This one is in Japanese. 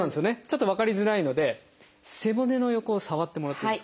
ちょっと分かりづらいので背骨の横を触ってもらっていいですか？